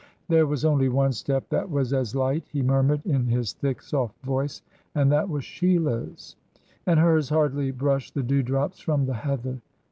"There was only one step that was as light," he murmured, in his thick, soft voice, "and that was Sheila's, and hers hardly brushed the dewdrops from the heather."